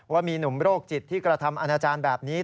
ว่ามีหนุ่มโรคจิตที่กระทำอาณาจารย์แบบนี้